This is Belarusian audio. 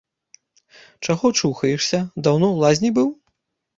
Чаго чухаешся, даўно ў лазні быў?